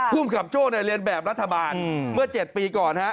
ภูมิกับโจ้เรียนแบบรัฐบาลเมื่อ๗ปีก่อนฮะ